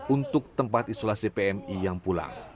untuk tempat isolasi pmi yang pulang